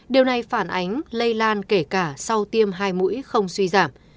điều này phản ánh lây lan kể cả sau tiêm hai mũi không suy giảm